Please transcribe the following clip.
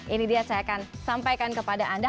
ini dia saya akan sampaikan kepada anda